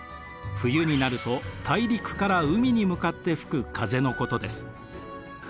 冬になると大陸から海に向かって吹く風のことです。